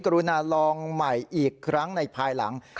รุณาลองใหม่อีกครั้งในภายหลัง